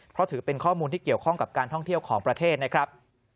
เพราะถือเป็นข้อมูลที่เกี่ยวข้องกับการท่องเที่ยวของประเทศนะครับ